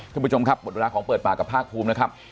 ท่านผู้ชมครับหมดเวลาของเปิดปากกับภาคภูมินะครับ